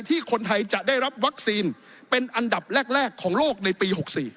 ที่คนไทยจะได้รับวัคซีนเป็นอันดับแรกของโลกในปี๖๔